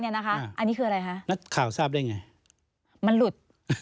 อันนี้คืออะไรคะมันหลุด